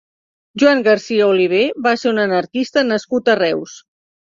Joan Garcia Oliver va ser un anarquista nascut a Reus.